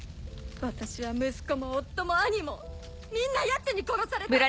私は息子も夫も兄もみんなヤツに殺された！